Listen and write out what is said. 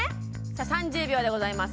３０秒でございます